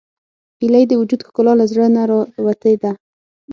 هیلۍ د وجود ښکلا له زړه نه راوتې ده